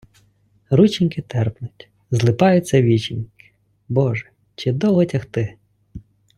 Рученьки терпнуть, злипаються віченькі, Боже, чи довго тягти?